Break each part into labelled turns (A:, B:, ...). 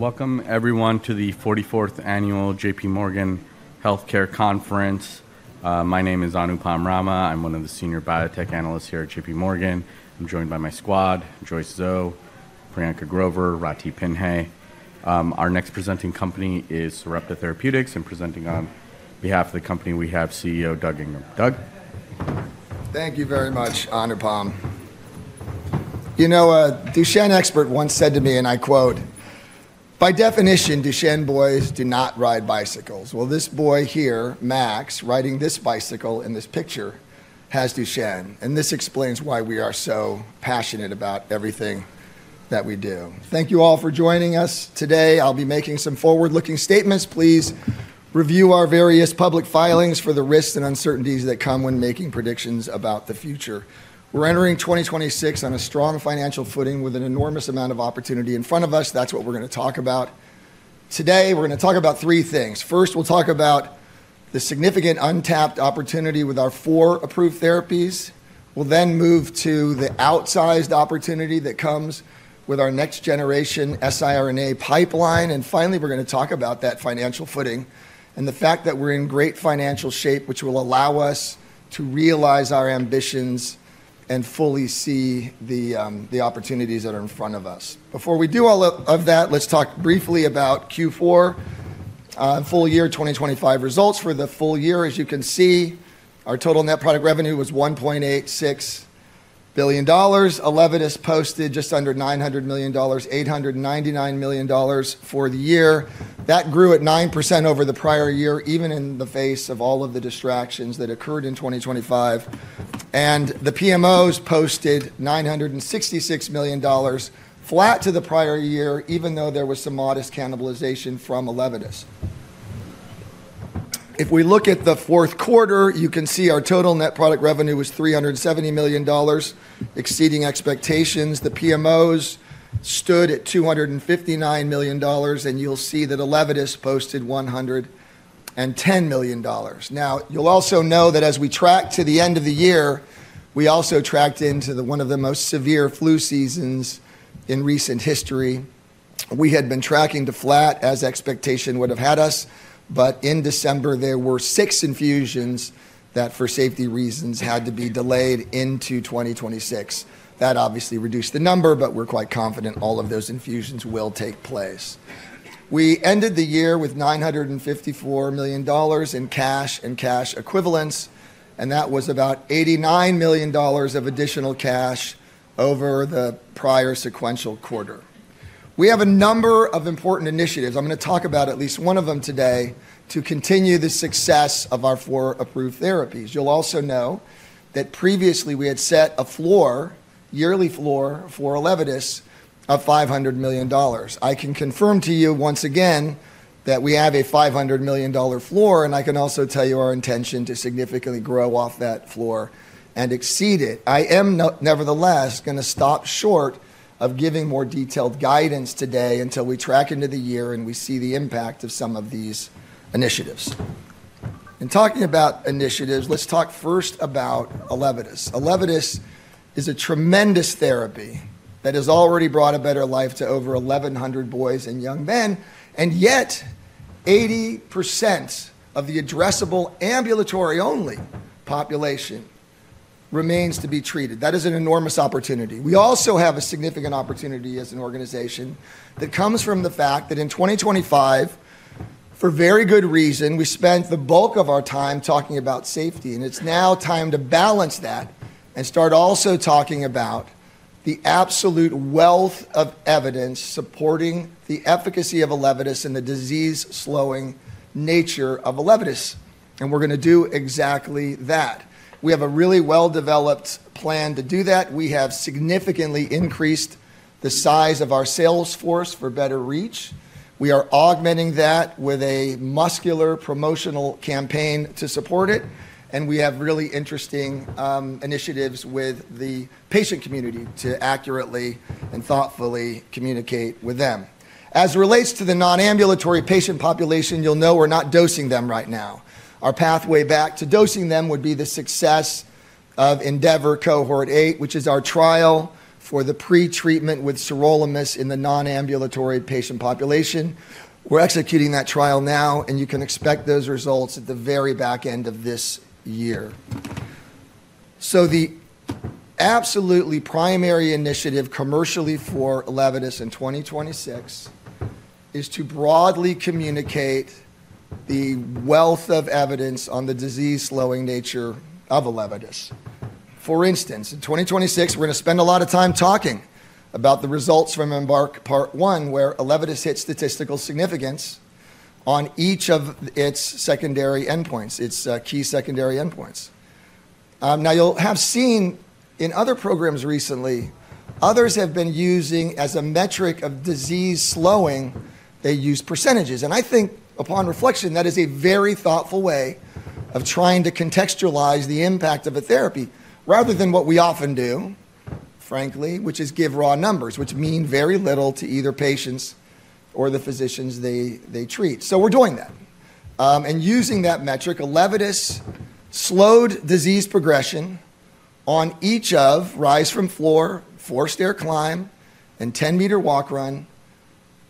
A: Welcome, everyone, to the 44th Annual JPMorgan Healthcare Conference. My name is Anupam Rama. I'm one of the Senior Biotech Analysts here at JPMorgan. I'm joined by my squad; Joyce Zhou, Priyanka Grover, and Rathi Pillai. Our next presenting company is Sarepta Therapeutics, and presenting on behalf of the company, we have CEO Doug Ingram. Doug?
B: Thank you very much, Anupam. You know, a Duchenne expert once said to me, and I quote, "By definition, Duchenne boys do not ride bicycles." Well, this boy here, Max, riding this bicycle in this picture, has Duchenne, and this explains why we are so passionate about everything that we do. Thank you all for joining us today. I'll be making some forward-looking statements. Please review our various public filings for the risks and uncertainties that come when making predictions about the future. We're entering 2026 on a strong financial footing with an enormous amount of opportunity in front of us. That's what we're going to talk about. Today, we're going to talk about three things. First, we'll talk about the significant untapped opportunity with our four approved therapies. We'll then move to the outsized opportunity that comes with our next-generation siRNA pipeline. Finally, we're going to talk about that financial footing and the fact that we're in great financial shape, which will allow us to realize our ambitions and fully see the opportunities that are in front of us. Before we do all of that, let's talk briefly about Q4, full year, 2025 results. For the full year, as you can see, our total net product revenue was $1.86 billion. Elevidys posted just under $900 million, $899 million for the year. That grew at 9% over the prior year, even in the face of all of the distractions that occurred in 2025. And the PMOs posted $966 million, flat to the prior year, even though there was some modest cannibalization from Elevidys. If we look at the fourth quarter, you can see our total net product revenue was $370 million, exceeding expectations. The PMOs stood at $259 million, and you'll see that Elevidys posted $110 million. Now, you'll also know that as we tracked to the end of the year, we also tracked into one of the most severe flu seasons in recent history. We had been tracking to flat as expectation would have had us, but in December, there were six infusions that, for safety reasons, had to be delayed into 2026. That obviously reduced the number, but we're quite confident all of those infusions will take place. We ended the year with $954 million in cash and cash equivalents, and that was about $89 million of additional cash over the prior sequential quarter. We have a number of important initiatives. I'm going to talk about at least one of them today to continue the success of our four approved therapies. You'll also know that previously we had set a floor, yearly floor for Elevidys, of $500 million. I can confirm to you once again that we have a $500 million floor, and I can also tell you our intention to significantly grow off that floor and exceed it. I am, nevertheless, going to stop short of giving more detailed guidance today until we track into the year and we see the impact of some of these initiatives. Talking about initiatives, let's talk first about Elevidys. Elevidys is a tremendous therapy that has already brought a better life to over 1,100 boys and young men, and yet 80% of the addressable ambulatory-only population remains to be treated. That is an enormous opportunity. We also have a significant opportunity as an organization that comes from the fact that in 2025, for very good reason, we spent the bulk of our time talking about safety, and it's now time to balance that and start also talking about the absolute wealth of evidence supporting the efficacy of Elevidys and the disease-slowing nature of Elevidys, and we're going to do exactly that. We have a really well-developed plan to do that. We have significantly increased the size of our sales force for better reach. We are augmenting that with a muscular promotional campaign to support it, and we have really interesting initiatives with the patient community to accurately and thoughtfully communicate with them. As it relates to the non-ambulatory patient population, you'll know we're not dosing them right now. Our pathway back to dosing them would be the success of Endeavor Cohort 8, which is our trial for the pretreatment with sirolimus in the non-ambulatory patient population. We're executing that trial now, and you can expect those results at the very back end of this year. So the absolutely primary initiative commercially for Elevidys in 2026 is to broadly communicate the wealth of evidence on the disease-slowing nature of Elevidys. For instance, in 2026, we're going to spend a lot of time talking about the results from Embark Part 1, where Elevidys hit statistical significance on each of its secondary endpoints, its key secondary endpoints. Now, you'll have seen in other programs recently, others have been using as a metric of disease slowing, they use percentages. And I think, upon reflection, that is a very thoughtful way of trying to contextualize the impact of a therapy rather than what we often do, frankly, which is give raw numbers, which mean very little to either patients or the physicians they treat. So we're doing that. And using that metric, Elevidys slowed disease progression on each of rise from floor, four-stair climb, and 10-meter walk run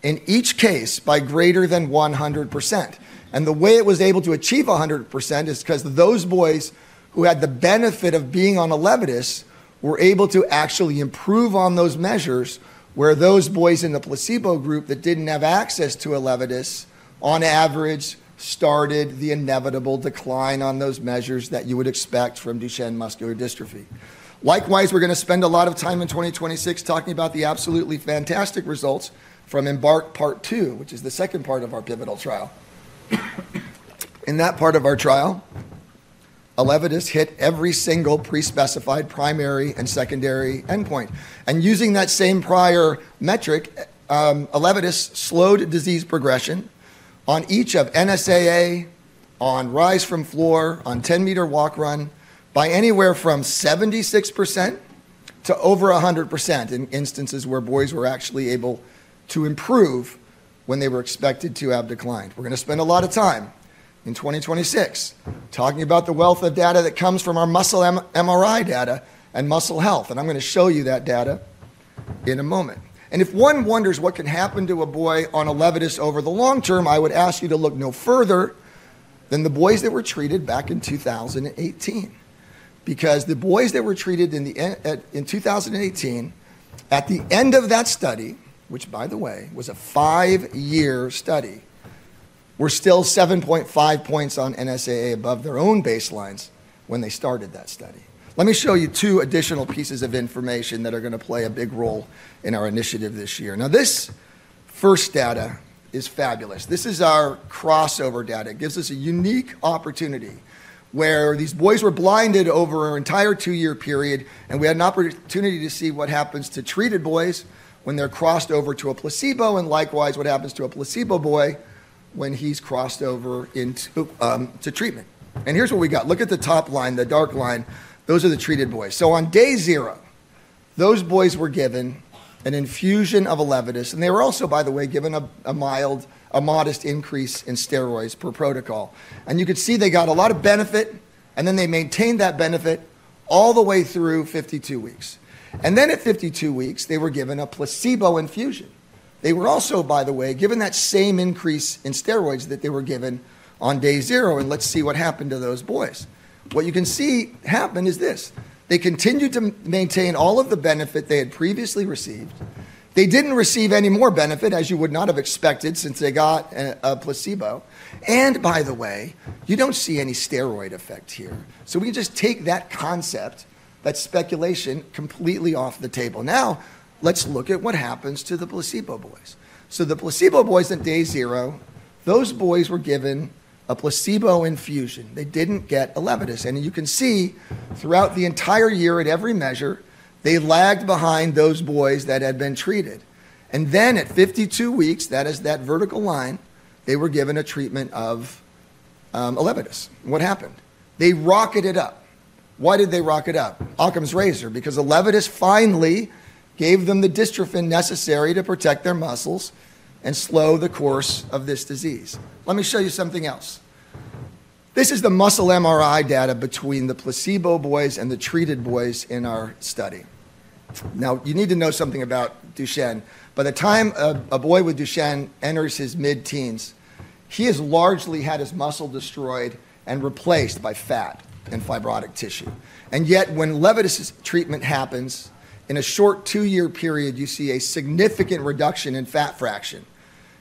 B: in each case by greater than 100%. And the way it was able to achieve 100% is because those boys who had the benefit of being on Elevidys were able to actually improve on those measures, where those boys in the placebo group that didn't have access to Elevidys, on average, started the inevitable decline on those measures that you would expect from Duchenne muscular dystrophy. Likewise, we're going to spend a lot of time in 2026 talking about the absolutely fantastic results from Embark Part 2, which is the second part of our pivotal trial. In that part of our trial, Elevidys hit every single pre-specified primary and secondary endpoint, and using that same prior metric, Elevidys slowed disease progression on each of NSAA, on rise from floor, on 10-meter walk run by anywhere from 76% to over 100% in instances where boys were actually able to improve when they were expected to have declined. We're going to spend a lot of time in 2026 talking about the wealth of data that comes from our muscle MRI data and muscle health, and I'm going to show you that data in a moment. And if one wonders what can happen to a boy on Elevidys over the long term, I would ask you to look no further than the boys that were treated back in 2018, because the boys that were treated in 2018, at the end of that study, which, by the way, was a five-year study, were still 7.5 points on NSAA above their own baselines when they started that study. Let me show you two additional pieces of information that are going to play a big role in our initiative this year. Now, this first data is fabulous. This is our crossover data. It gives us a unique opportunity where these boys were blinded over our entire two-year period, and we had an opportunity to see what happens to treated boys when they're crossed over to a placebo and likewise what happens to a placebo boy when he's crossed over into treatment. Here's what we got. Look at the top line, the dark line. Those are the treated boys. So on day zero, those boys were given an infusion of Elevidys, and they were also, by the way, given a modest increase in steroids per protocol. You could see they got a lot of benefit, and then they maintained that benefit all the way through 52 weeks. Then at 52 weeks, they were given a placebo infusion. They were also, by the way, given that same increase in steroids that they were given on day zero, and let's see what happened to those boys. What you can see happen is this: they continued to maintain all of the benefit they had previously received. They didn't receive any more benefit, as you would not have expected, since they got a placebo. And by the way, you don't see any steroid effect here, so we can just take that concept, that speculation, completely off the table. Now, let's look at what happens to the placebo boys, so the placebo boys at day zero, those boys were given a placebo infusion. They didn't get Elevidys. And you can see throughout the entire year at every measure, they lagged behind those boys that had been treated. And then at 52 weeks, that is that vertical line, they were given a treatment of Elevidys.What happened? They rocketed up. Why did they rocket up? Occam's Razor, because Elevidys finally gave them the dystrophin necessary to protect their muscles and slow the course of this disease. Let me show you something else. This is the muscle MRI data between the placebo boys and the treated boys in our study. Now, you need to know something about Duchenne. By the time a boy with Duchenne enters his mid-teens, he has largely had his muscle destroyed and replaced by fat and fibrotic tissue. And yet, when Elevidys' treatment happens, in a short two-year period, you see a significant reduction in fat fraction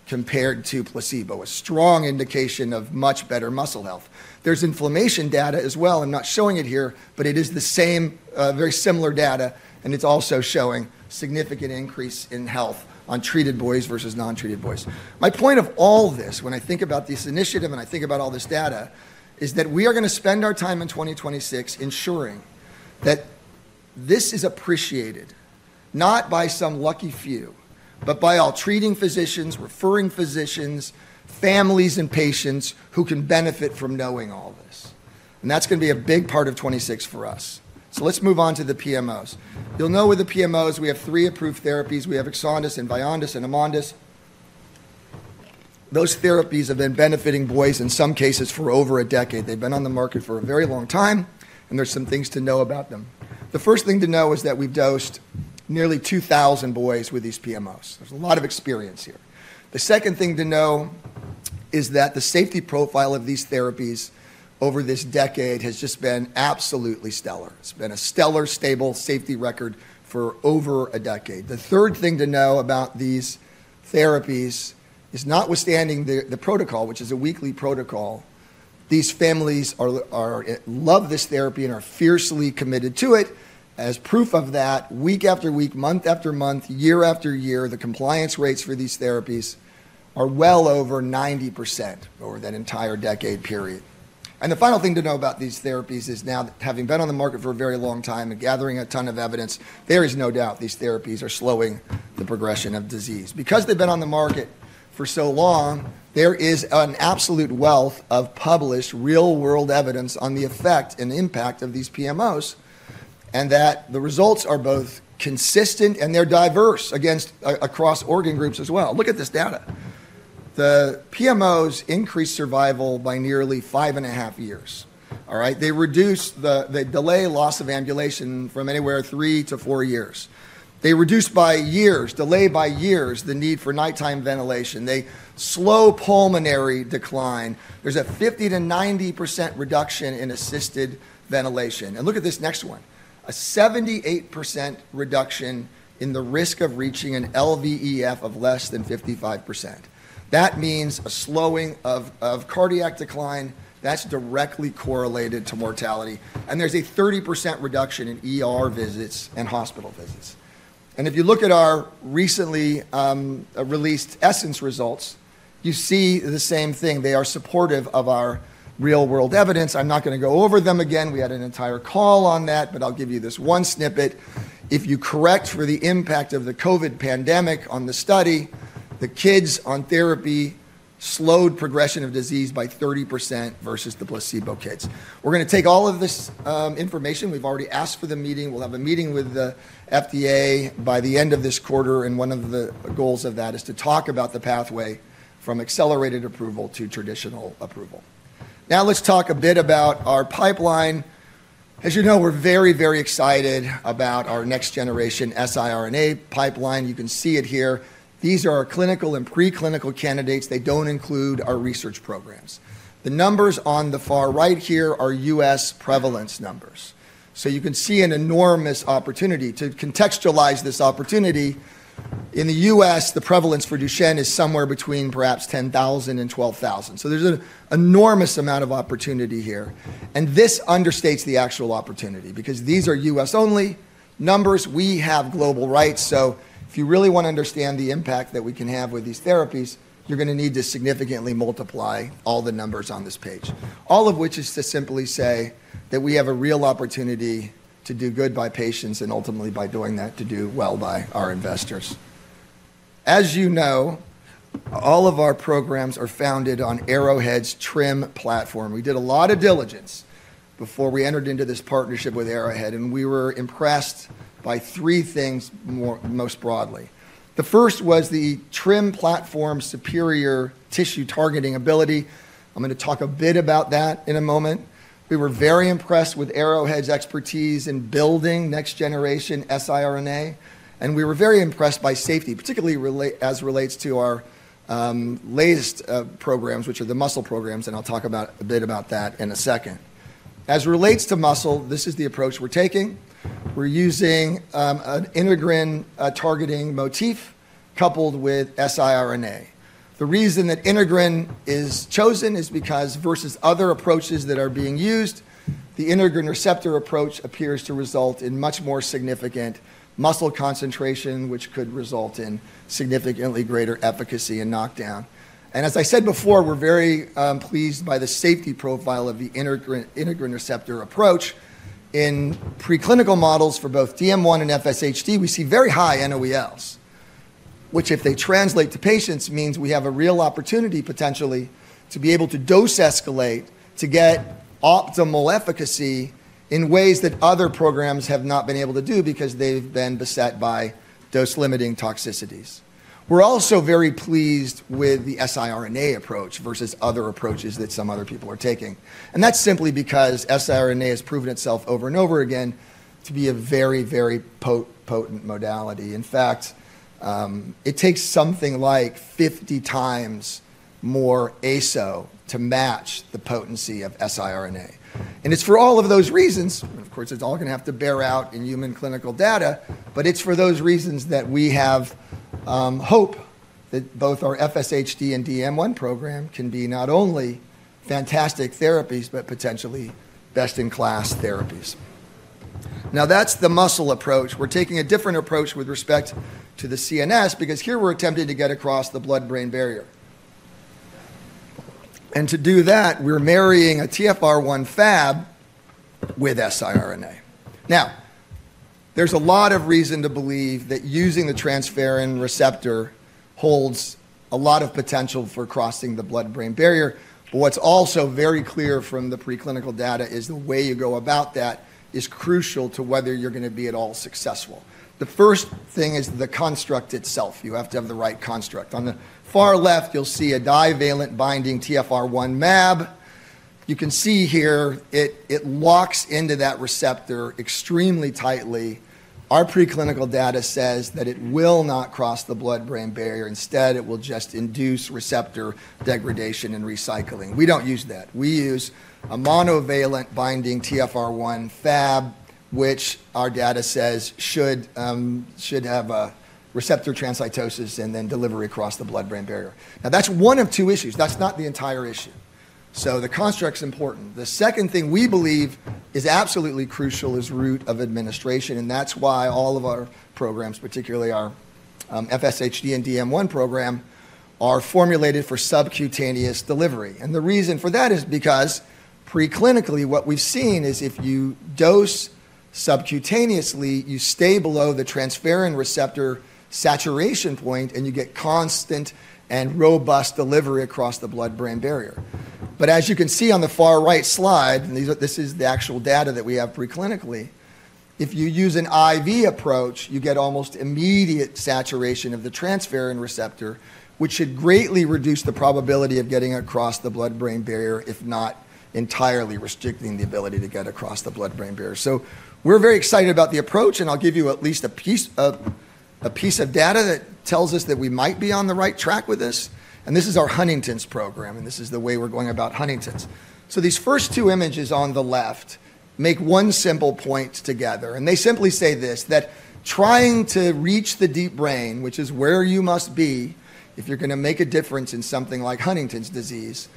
B: compared to placebo, a strong indication of much better muscle health. There's inflammation data as well. I'm not showing it here, but it is the same, very similar data, and it's also showing significant increase in health on treated boys versus non-treated boys. My point of all this, when I think about this initiative and I think about all this data, is that we are going to spend our time in 2026 ensuring that this is appreciated, not by some lucky few, but by all treating physicians, referring physicians, families, and patients who can benefit from knowing all this, and that's going to be a big part of 2026 for us. Let's move on to the PMOs. You know with the PMOs, we have three approved therapies. We have Exondys 51, Vyondys 53, and Amondys 45. Those therapies have been benefiting boys in some cases for over a decade. They've been on the market for a very long time, and there's some things to know about them. The first thing to know is that we've dosed nearly 2,000 boys with these PMOs. There's a lot of experience here. The second thing to know is that the safety profile of these therapies over this decade has just been absolutely stellar. It's been a stellar, stable safety record for over a decade. The third thing to know about these therapies is, notwithstanding the protocol, which is a weekly protocol, these families love this therapy and are fiercely committed to it. As proof of that, week after week, month after month, year after year, the compliance rates for these therapies are well over 90% over that entire decade period. And the final thing to know about these therapies is now, having been on the market for a very long time and gathering a ton of evidence, there is no doubt these therapies are slowing the progression of disease. Because they've been on the market for so long, there is an absolute wealth of published real-world evidence on the effect and the impact of these PMOs, and that the results are both consistent and they're diverse across organ groups as well. Look at this data. The PMOs increased survival by nearly five and a half years. All right? They delay loss of ambulation from anywhere three to four years. They reduce by years, delay by years, the need for nighttime ventilation. They slow pulmonary decline. There's a 50%-90% reduction in assisted ventilation. And look at this next one, a 78% reduction in the risk of reaching an LVEF of less than 55%. That means a slowing of cardiac decline that's directly correlated to mortality. And there's a 30% reduction in visits and hospital visits. If you look at our recently released Essence results, you see the same thing. They are supportive of our real-world evidence. I'm not going to go over them again. We had an entire call on that, but I'll give you this one snippet. If you correct for the impact of the COVID pandemic on the study, the kids on therapy slowed progression of disease by 30% versus the placebo kids. We're going to take all of this information. We've already asked for the meeting. We'll have a meeting with the FDA by the end of this quarter, and one of the goals of that is to talk about the pathway from accelerated approval to traditional approval. Now, let's talk a bit about our pipeline. As you know, we're very, very excited about our next-generation siRNA pipeline. You can see it here. These are our clinical and preclinical candidates. They don't include our research programs. The numbers on the far right here are U.S. prevalence numbers. So you can see an enormous opportunity. To contextualize this opportunity, in the U.S., the prevalence for Duchenne is somewhere between perhaps 10,000 and 12,000. So there's an enormous amount of opportunity here. And this understates the actual opportunity because these are U.S.-only numbers. We have global rights. So if you really want to understand the impact that we can have with these therapies, you're going to need to significantly multiply all the numbers on this page, all of which is to simply say that we have a real opportunity to do good by patients and ultimately, by doing that, to do well by our investors. As you know, all of our programs are founded on Arrowhead's TRiM platform. We did a lot of diligence before we entered into this partnership with Arrowhead, and we were impressed by three things most broadly. The first was the TRiM platform's superior tissue-targeting ability. I'm going to talk a bit about that in a moment. We were very impressed with Arrowhead's expertise in building next-generation siRNA, and we were very impressed by safety, particularly as it relates to our latest programs, which are the muscle programs, and I'll talk a bit about that in a second. As it relates to muscle, this is the approach we're taking. We're using an Integrin-targeting motif coupled with siRNA. The reason that Integrin is chosen is because, versus other approaches that are being used, the Integrin receptor approach appears to result in much more significant muscle concentration, which could result in significantly greater efficacy and knockdown. As I said before, we're very pleased by the safety profile of the Integrin receptor approach. In preclinical models for both DM1 and FSHD, we see very high NOELs, which, if they translate to patients, means we have a real opportunity potentially to be able to dose-escalate to get optimal efficacy in ways that other programs have not been able to do because they've been beset by dose-limiting toxicities. We're also very pleased with the siRNA approach versus other approaches that some other people are taking. That's simply because siRNA has proven itself over and over again to be a very, very potent modality. In fact, it takes something like 50 times more ASO to match the potency of siRNA. It's for all of those reasons, and of course, it's all going to have to bear out in human clinical data, but it's for those reasons that we have hope that both our FSHD and DM1 program can be not only fantastic therapies, but potentially best-in-class therapies. Now, that's the muscle approach. We're taking a different approach with respect to the CNS because here we're attempting to get across the blood-brain barrier. And to do that, we're marrying a TFR1 FAB with siRNA. Now, there's a lot of reason to believe that using the transferrin receptor holds a lot of potential for crossing the blood-brain barrier. But what's also very clear from the preclinical data is the way you go about that is crucial to whether you're going to be at all successful. The first thing is the construct itself. You have to have the right construct. On the far left, you'll see a divalent-binding TFR1 MAB. You can see here it locks into that receptor extremely tightly. Our preclinical data says that it will not cross the blood-brain barrier. Instead, it will just induce receptor degradation and recycling. We don't use that. We use a monovalent-binding TFR1 FAB, which our data says should have a receptor transcytosis and then delivery across the blood-brain barrier. Now, that's one of two issues. That's not the entire issue. So the construct's important. The second thing we believe is absolutely crucial is route of administration, and that's why all of our programs, particularly our FSHD and DM1 program, are formulated for subcutaneous delivery. And the reason for that is because preclinically, what we've seen is if you dose subcutaneously, you stay below the transferrin receptor saturation point, and you get constant and robust delivery across the blood-brain barrier. But as you can see on the far right slide, and this is the actual data that we have preclinically, if you use an IV approach, you get almost immediate saturation of the transferrin receptor, which should greatly reduce the probability of getting across the blood-brain barrier, if not entirely restricting the ability to get across the blood-brain barrier. So we're very excited about the approach, and I'll give you at least a piece of data that tells us that we might be on the right track with this. And this is our Huntington's program, and this is the way we're going about Huntington's. So these first two images on the left make one simple point together, and they simply say this: that trying to reach the deep brain, which is where you must be if you're going to make a difference in something like Huntington's disease,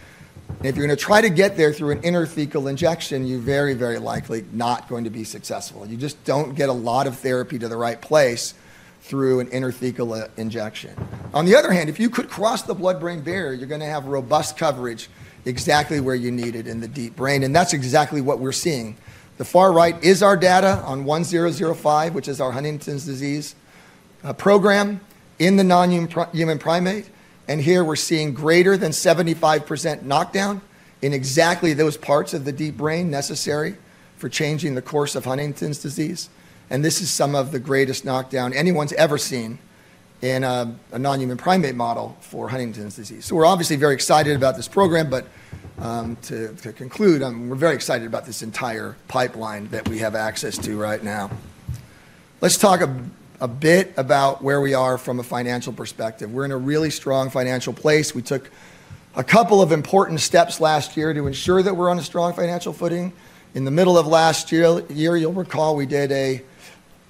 B: and if you're going to try to get there through an intrathecal injection, you're very, very likely not going to be successful. You just don't get a lot of therapy to the right place through an intrathecal injection. On the other hand, if you could cross the blood-brain barrier, you're going to have robust coverage exactly where you need it in the deep brain, and that's exactly what we're seeing. The far right is our data on 1005, which is our Huntington's disease program in the non-human primate. Here we're seeing greater than 75% knockdown in exactly those parts of the deep brain necessary for changing the course of Huntington's disease. This is some of the greatest knockdown anyone's ever seen in a non-human primate model for Huntington's disease. We're obviously very excited about this program, but to conclude, we're very excited about this entire pipeline that we have access to right now. Let's talk a bit about where we are from a financial perspective. We're in a really strong financial place. We took a couple of important steps last year to ensure that we're on a strong financial footing. In the middle of last year, you'll recall we did a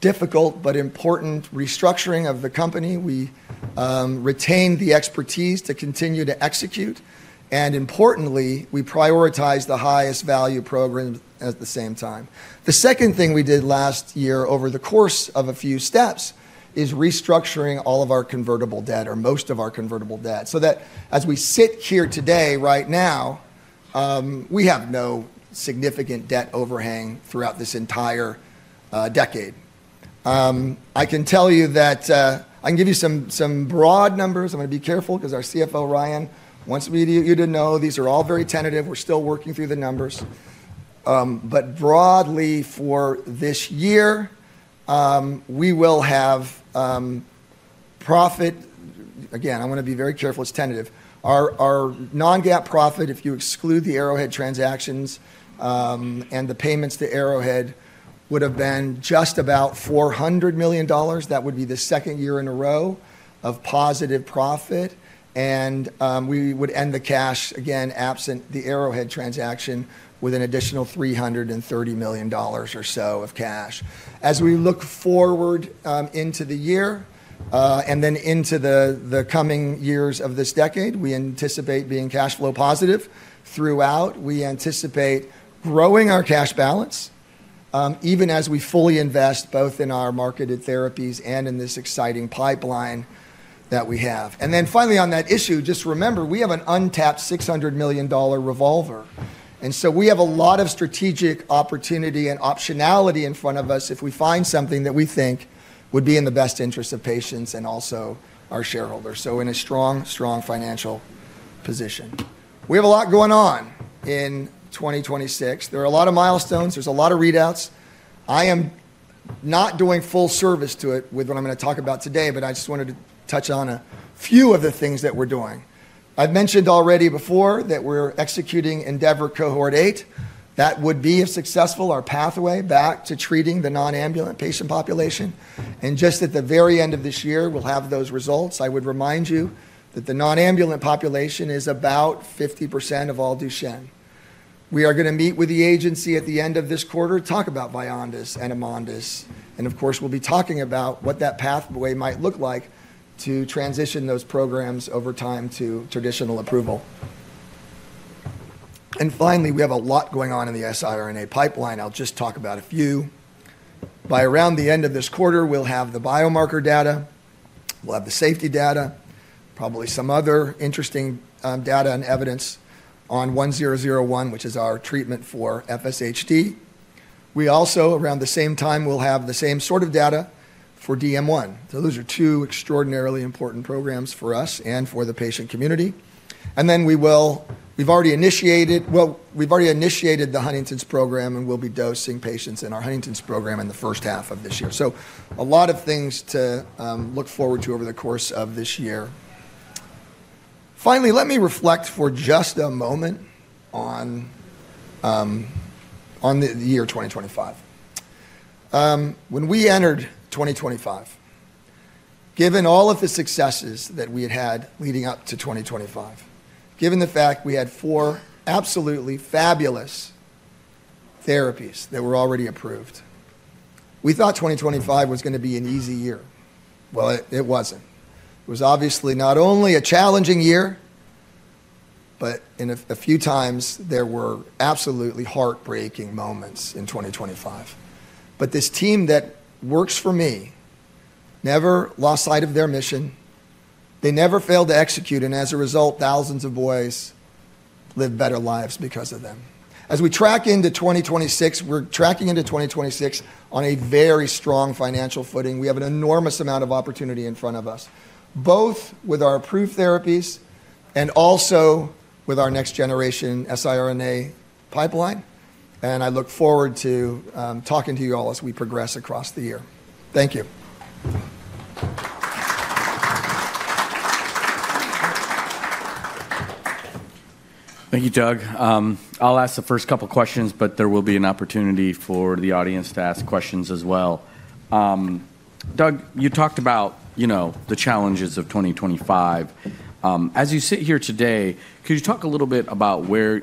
B: difficult but important restructuring of the company. We retained the expertise to continue to execute, and importantly, we prioritized the highest value program at the same time. The second thing we did last year over the course of a few steps is restructuring all of our convertible debt or most of our convertible debt so that as we sit here today, right now, we have no significant debt overhang throughout this entire decade. I can tell you that I can give you some broad numbers. I'm going to be careful because our CFO, Ian, wants you to know these are all very tentative. We're still working through the numbers. But broadly, for this year, we will have profit. Again, I want to be very careful. It's tentative. Our non-GAAP profit, if you exclude the Arrowhead transactions and the payments to Arrowhead, would have been just about $400 million. That would be the second year in a row of positive profit. And we would end the cash, again, absent the Arrowhead transaction, with an additional $330 million or so of cash. As we look forward into the year and then into the coming years of this decade, we anticipate being cash flow positive throughout. We anticipate growing our cash balance even as we fully invest both in our marketed therapies and in this exciting pipeline that we have. And then finally, on that issue, just remember we have an untapped $600 million revolver. And so we have a lot of strategic opportunity and optionality in front of us if we find something that we think would be in the best interest of patients and also our shareholders. So in a strong, strong financial position, we have a lot going on in 2026. There are a lot of milestones. There's a lot of readouts. I am not doing full service to it with what I'm going to talk about today, but I just wanted to touch on a few of the things that we're doing. I've mentioned already before that we're executing Endeavor Cohort 8. That would be, if successful, our pathway back to treating the non-ambulatory patient population, and just at the very end of this year, we'll have those results. I would remind you that the non-ambulatory population is about 50% of all Duchenne. We are going to meet with the agency at the end of this quarter, talk about Vyondys and Amondys, and of course, we'll be talking about what that pathway might look like to transition those programs over time to traditional approval. Finally, we have a lot going on in the siRNA pipeline. I'll just talk about a few. By around the end of this quarter, we'll have the biomarker data. We'll have the safety data, probably some other interesting data and evidence on 1001, which is our treatment for FSHD. We also, around the same time, we'll have the same sort of data for DM1. So those are two extraordinarily important programs for us and for the patient community. And then, well, we've already initiated the Huntington's program, and we'll be dosing patients in our Huntington's program in the first half of this year. So a lot of things to look forward to over the course of this year. Finally, let me reflect for just a moment on the year 2025. When we entered 2025, given all of the successes that we had had leading up to 2025, given the fact we had four absolutely fabulous therapies that were already approved, we thought 2025 was going to be an easy year. Well, it wasn't. It was obviously not only a challenging year, but a few times there were absolutely heartbreaking moments in 2025. But this team that works for me never lost sight of their mission. They never failed to execute, and as a result, thousands of boys live better lives because of them. As we track into 2026, we're tracking into 2026 on a very strong financial footing. We have an enormous amount of opportunity in front of us, both with our approved therapies and also with our next-generation siRNA pipeline. And I look forward to talking to you all as we progress across the year. Thank you.
A: Thank you, Doug. I'll ask the first couple of questions, but there will be an opportunity for the audience to ask questions as well. Doug, you talked about the challenges of 2025. As you sit here today, could you talk a little bit about where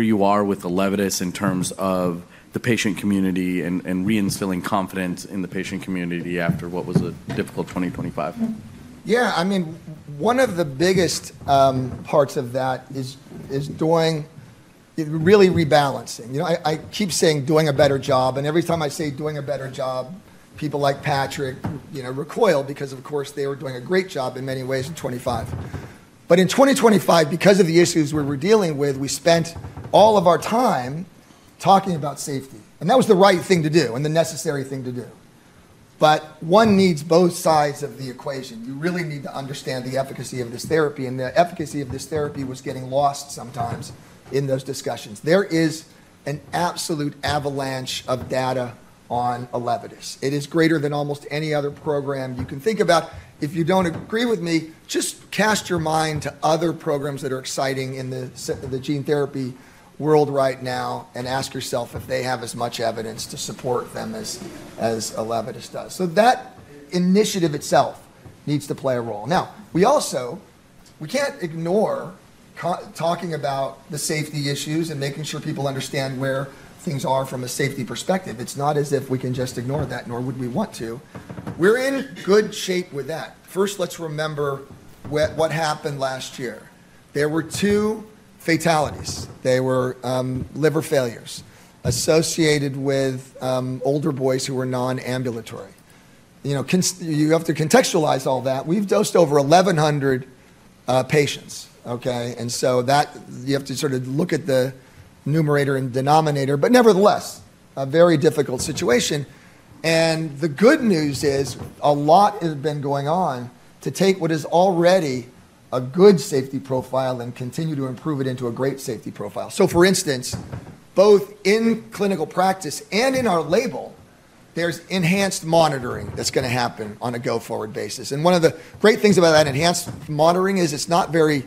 A: you are with the Elevidys in terms of the patient community and reinstilling confidence in the patient community after what was a difficult 2025?
B: Yeah. I mean, one of the biggest parts of that is really rebalancing. I keep saying doing a better job, and every time I say doing a better job, people like Patrick recoil because, of course, they were doing a great job in many ways in 2025. But in 2025, because of the issues we were dealing with, we spent all of our time talking about safety. And that was the right thing to do and the necessary thing to do. But one needs both sides of the equation. You really need to understand the efficacy of this therapy, and the efficacy of this therapy was getting lost sometimes in those discussions. There is an absolute avalanche of data on Elevidys. It is greater than almost any other program you can think about. If you don't agree with me, just cast your mind to other programs that are exciting in the gene therapy world right now and ask yourself if they have as much evidence to support them as Elevidys does. So that initiative itself needs to play a role. Now, we can't ignore talking about the safety issues and making sure people understand where things are from a safety perspective. It's not as if we can just ignore that, nor would we want to. We're in good shape with that. First, let's remember what happened last year. There were two fatalities. They were liver failures associated with older boys who were non-ambulatory. You have to contextualize all that. We've dosed over 1,100 patients, okay? And so you have to sort of look at the numerator and denominator, but nevertheless, a very difficult situation. The good news is a lot has been going on to take what is already a good safety profile and continue to improve it into a great safety profile. For instance, both in clinical practice and in our label, there's enhanced monitoring that's going to happen on a go-forward basis. One of the great things about that enhanced monitoring is it's not very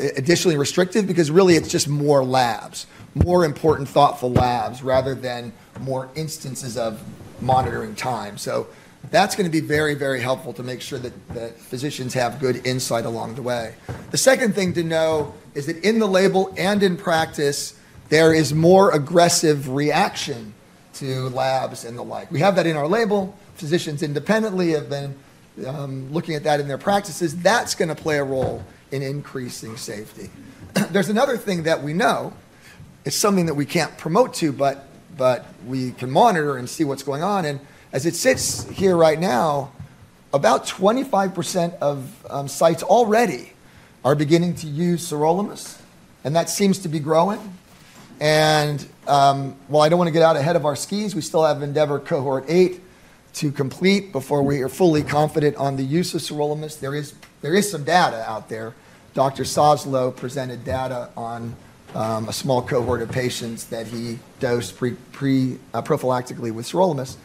B: additionally restrictive because really it's just more labs, more important thoughtful labs rather than more instances of monitoring time. That's going to be very, very helpful to make sure that physicians have good insight along the way. The second thing to know is that in the label and in practice, there is more aggressive reaction to labs and the like. We have that in our label. Physicians independently have been looking at that in their practices. That's going to play a role in increasing safety. There's another thing that we know. It's something that we can't promote to, but we can monitor and see what's going on, and as it sits here right now, about 25% of sites already are beginning to use sirolimus, and that seems to be growing, and while I don't want to get out ahead of our skis, we still have Endeavor Cohort 8 to complete before we are fully confident on the use of sirolimus. There is some data out there. Dr. Soslow presented data on a small cohort of patients that he dosed prophylactically with sirolimus,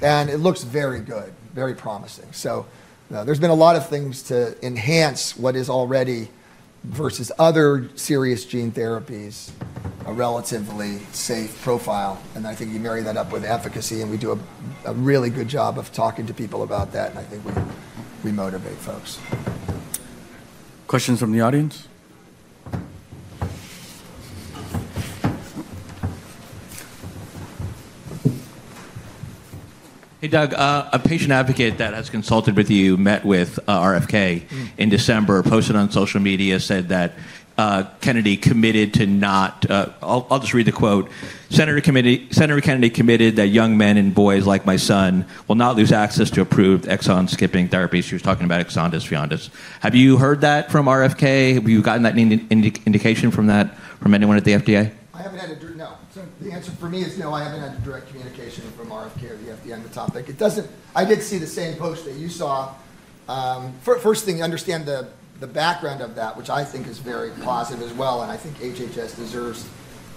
B: and it looks very good, very promising, so there's been a lot of things to enhance what is already versus other serious gene therapies, a relatively safe profile. And I think you marry that up with efficacy, and we do a really good job of talking to people about that, and I think we motivate folks.
A: Questions from the audience? Hey, Doug. A patient advocate that has consulted with you met with RFK in December, posted on social media, said that Kennedy committed to not, I'll just read the quote, "Senator Kennedy committed that young men and boys like my son will not lose access to approved exon-skipping therapies." She was talking about Exondys, Vyondys. Have you heard that from RFK? Have you gotten that indication from anyone at the FDA?
B: I haven't had a—no, the answer for me is no. I haven't had direct communication from RFK or the FDA on the topic. I did see the same post that you saw. First thing, understand the background of that, which I think is very positive as well. And I think HHS deserves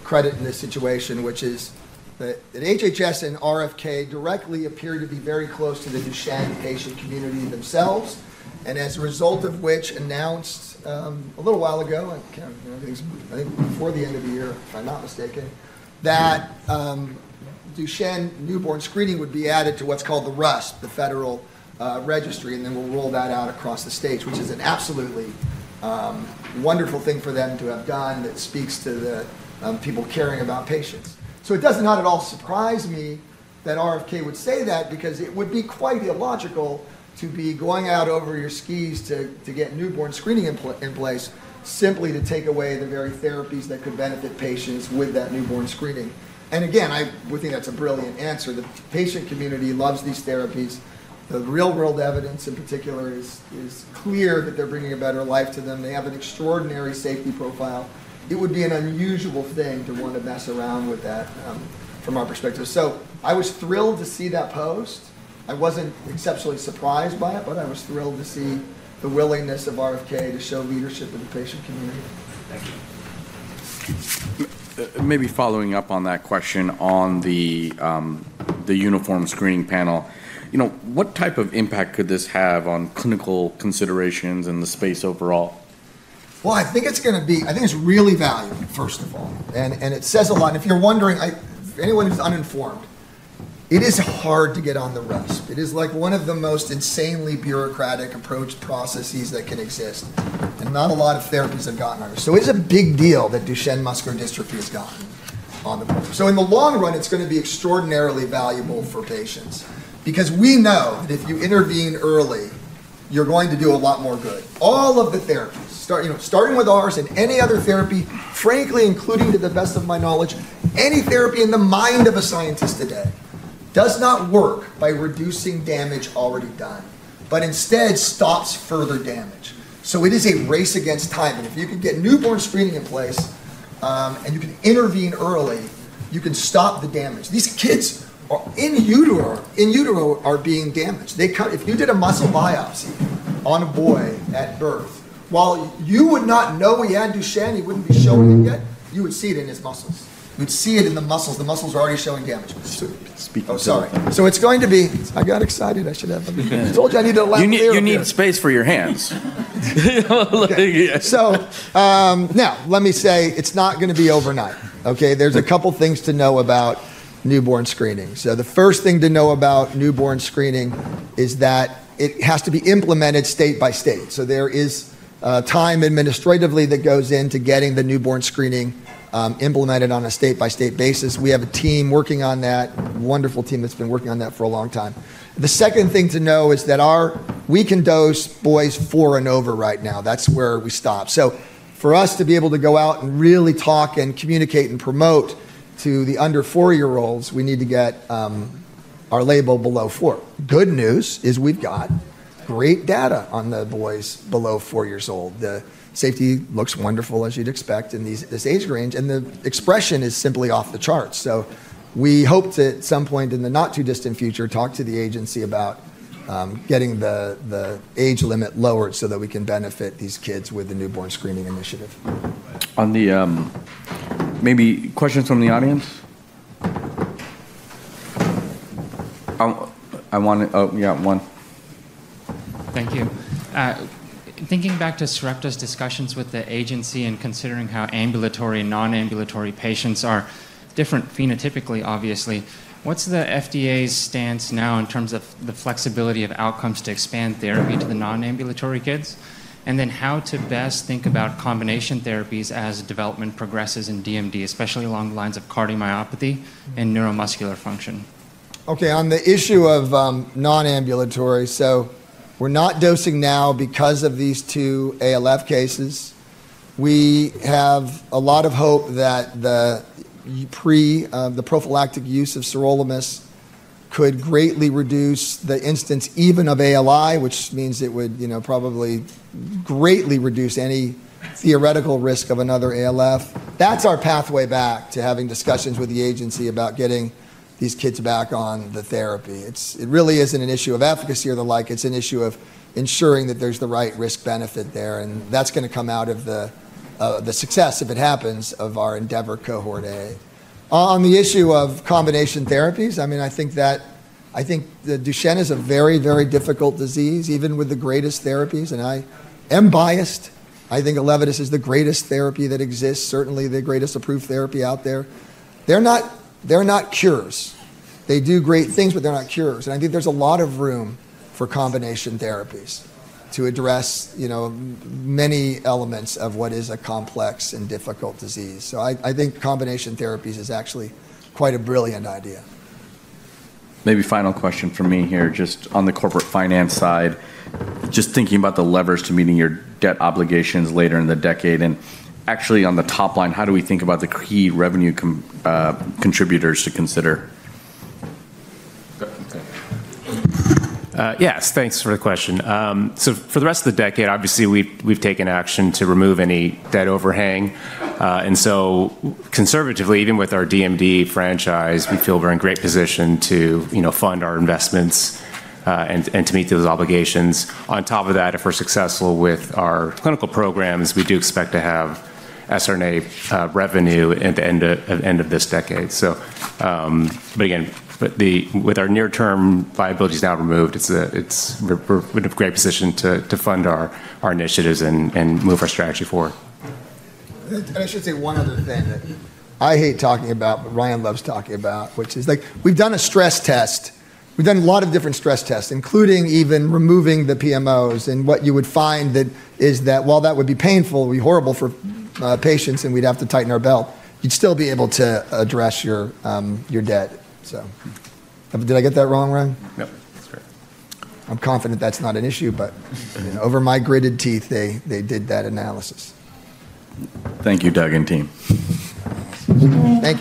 B: credit in this situation, which is that HHS and RFK directly appear to be very close to the Duchenne patient community themselves, and as a result of which announced a little while ago, I think before the end of the year, if I'm not mistaken, that Duchenne newborn screening would be added to what's called the RUSP, the Federal Registry, and then we'll roll that out across the states, which is an absolutely wonderful thing for them to have done that speaks to the people caring about patients. So it does not at all surprise me that RFK would say that because it would be quite illogical to be going out over your skis to get newborn screening in place simply to take away the very therapies that could benefit patients with that newborn screening. And again, I would think that's a brilliant answer. The patient community loves these therapies. The real-world evidence, in particular, is clear that they're bringing a better life to them. They have an extraordinary safety profile. It would be an unusual thing to want to mess around with that from our perspective. So I was thrilled to see that post. I wasn't exceptionally surprised by it, but I was thrilled to see the willingness of RFK to show leadership in the patient community. Thank you. Maybe following up on that question on the uniform screening panel, what type of impact could this have on clinical considerations and the space overall? I think it's going to be. I think it's really valuable, first of all. And it says a lot. And if you're wondering, for anyone who's uninformed, it is hard to get on the RUSP. It is one of the most insanely bureaucratic approach processes that can exist, and not a lot of therapies have gotten on RUSP. So it is a big deal that Duchenne muscular dystrophy has gotten on the board. So in the long run, it's going to be extraordinarily valuable for patients because we know that if you intervene early, you're going to do a lot more good. All of the therapies, starting with ours and any other therapy, frankly, including to the best of my knowledge, any therapy in the mind of a scientist today does not work by reducing damage already done, but instead stops further damage. So it is a race against time. And if you can get newborn screening in place and you can intervene early, you can stop the damage. These kids in utero are being damaged. If you did a muscle biopsy on a boy at birth, while you would not know he had Duchenne, you wouldn't be showing it yet. You would see it in his muscles. You would see it in the muscles. The muscles are already showing damage.
A: Speaking of.
B: Oh, sorry. So it's going to be - I got excited. I should have - I told you I need to allow you to. You need space for your hands. So now, let me say it's not going to be overnight, okay? There's a couple of things to know about newborn screening. So the first thing to know about newborn screening is that it has to be implemented state by state. So there is time administratively that goes into getting the newborn screening implemented on a state-by-state basis. We have a team working on that, a wonderful team that's been working on that for a long time. The second thing to know is that we can dose boys four and over right now. That's where we stop. So for us to be able to go out and really talk and communicate and promote to the under-four-year-olds, we need to get our label below four. Good news is we've got great data on the boys below four years old. The safety looks wonderful, as you'd expect, in this age range, and the expression is simply off the charts. So we hope to, at some point in the not-too-distant future, talk to the agency about getting the age limit lowered so that we can benefit these kids with the newborn screening initiative.
A: Maybe questions from the audience? Oh, yeah, one. Thank you. Thinking back to Sarepta's discussions with the agency and considering how ambulatory and non-ambulatory patients are different phenotypically, obviously, what's the FDA's stance now in terms of the flexibility of outcomes to expand therapy to the non-ambulatory kids? And then how to best think about combination therapies as development progresses in DMD, especially along the lines of cardiomyopathy and neuromuscular function?
B: Okay. On the issue of non-ambulatory, so we're not dosing now because of these two ALF cases. We have a lot of hope that the prophylactic use of sirolimus could greatly reduce the incidence even of ALI, which means it would probably greatly reduce any theoretical risk of another ALF. That's our pathway back to having discussions with the agency about getting these kids back on the therapy. It really isn't an issue of efficacy or the like. It's an issue of ensuring that there's the right risk-benefit there, and that's going to come out of the success, if it happens, of our Endeavor Cohort 8. On the issue of combination therapies, I mean, I think that Duchenne is a very, very difficult disease, even with the greatest therapies, and I am biased. I think Elevidys is the greatest therapy that exists, certainly the greatest approved therapy out there. They're not cures. They do great things, but they're not cures. And I think there's a lot of room for combination therapies to address many elements of what is a complex and difficult disease. So I think combination therapies is actually quite a brilliant idea. Maybe final question from me here, just on the corporate finance side, just thinking about the levers to meeting your debt obligations later in the decade, and actually, on the top line, how do we think about the key revenue contributors to consider? Yes. Thanks for the question. So for the rest of the decade, obviously, we've taken action to remove any debt overhang. And so conservatively, even with our DMD franchise, we feel we're in a great position to fund our investments and to meet those obligations. On top of that, if we're successful with our clinical programs, we do expect to have siRNA revenue at the end of this decade. But again, with our near-term viability now removed, we're in a great position to fund our initiatives and move our strategy forward. I should say one other thing that I hate talking about, but Ryan loves talking about, which is we've done a stress test. We've done a lot of different stress tests, including even removing the PMOs. What you would find is that while that would be painful, be horrible for patients, and we'd have to tighten our belt, you'd still be able to address your debt. Did I get that wrong, Ryan? No, that's correct. I'm confident that's not an issue, but over my gritted teeth, they did that analysis.
A: Thank you, Doug and team. Thanks.